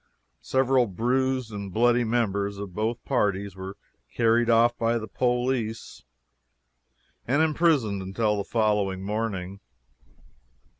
Several bruised and bloody members of both parties were carried off by the police and imprisoned until the following morning.